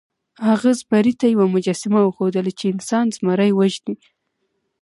هغه زمري ته یوه مجسمه وښودله چې انسان زمری وژني.